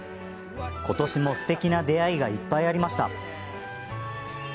今年も、すてきな出会いがいっぱいありました。